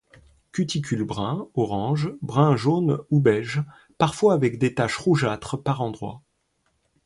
Cuticule brun orange, brun-jaune ou beige, parfois avec des taches rougeâtres par endroits.